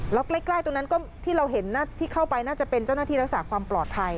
แล้วใกล้ตรงนั้นก็ที่เราเห็นที่เข้าไปน่าจะเป็นเจ้าหน้าที่รักษาความปลอดภัย